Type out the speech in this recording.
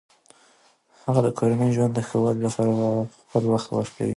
هغې د کورني ژوند د ښه والي لپاره خپل وخت ورکوي.